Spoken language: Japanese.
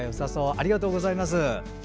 ありがとうございます。